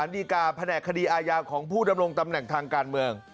อันนี้ถือว่าเป็นวันราชการเวลาราชการ